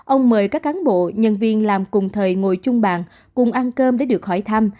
ông mời các cán bộ nhân viên làm cùng thời ngồi chung bàn cùng ăn cơm để được hỏi thăm